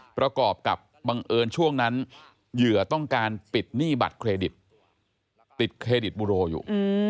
ประกอบกับบังเอิญช่วงนั้นเหยื่อต้องการปิดหนี้บัตรเครดิตปิดเครดิตบูโรอยู่